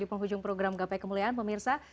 penghujung program gapai kemuliaan pemirsa